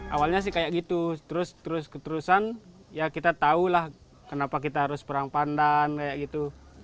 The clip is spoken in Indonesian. awalnya sih kayak gitu terus terusan ya kita tahulah kenapa kita harus perang pandan kayak gitu